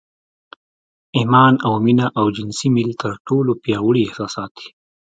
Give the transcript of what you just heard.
ایمان او مینه او جنسي میل تر ټولو پیاوړي احساسات دي